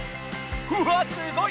うわっすごい。